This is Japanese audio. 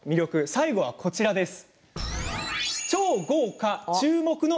最後はこちらです。